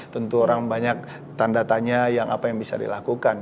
tentu orang banyak tanda tanya apa yang bisa dilakukan